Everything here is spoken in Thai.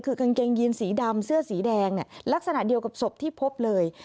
คือกางเกงยีนสีดำเสื้อสีแดงเนี่ยลักษณะเดียวกับศพที่พบเลย